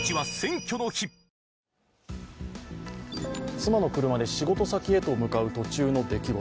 妻の車で仕事先へと向かう途中の出来事。